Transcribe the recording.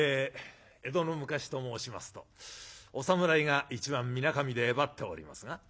江戸の昔と申しますとお侍が一番みなかみでえばっておりますが。